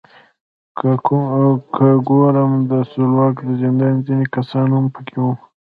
که ګورم د سلواک د زندان ځینې کسان هم پکې وو.